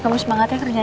kamu semangat ya kerjanya